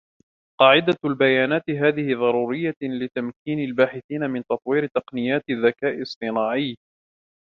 قاعدة البيانات هذه ضرورية لتمكين الباحثين من تطوير تقنيات ذكاء اصطناعي